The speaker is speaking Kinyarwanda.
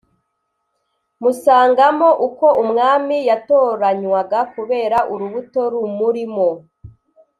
musangamo uko umwami yatoranywaga kubera urubuto rumurimo,